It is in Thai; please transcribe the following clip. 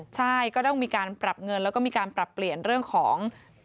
ใช่ก็ต้องมีการปรับเงินแล้วก็มีการปรับเปลี่ยนเรื่องของ